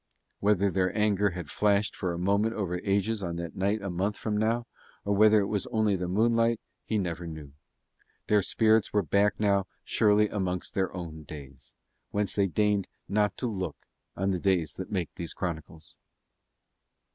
Whether their anger had flashed for a moment over the ages on that night a month from now, or whether it was only the moonlight, he never knew. Their spirits were back now surely amongst their own days, whence they deigned not to look on the days that make these chronicles.